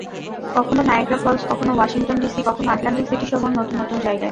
কখনো Niagara Falls, কখনো Washington DC, কখনো আটলান্টিক সিটিসহ নতুন নতুন জায়গায়।